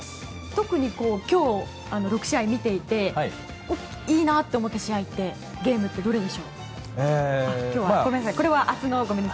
特に今日６試合を見ていていいなと思ったゲームってどれでしょう？